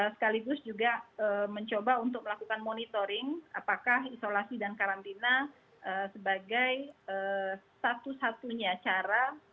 sekaligus juga mencoba untuk melakukan monitoring apakah isolasi dan karantina sebagai satu satunya cara